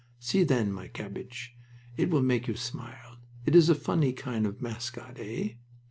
See then, my cabbage. It will make you smile. It is a funny kind of mascot, eh?"